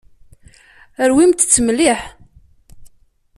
Rwimt-t mliḥ.